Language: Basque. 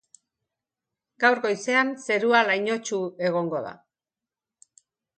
Gaur goizean, zerua lainotsu egongo da.